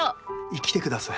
生きてください。